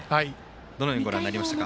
どのようにご覧になりましたか？